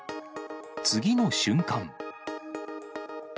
次の瞬間。